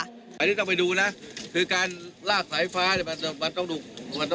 ให้ข้าวราคาต้องแพงเพราะว่าฉันเป็นข้าวนาย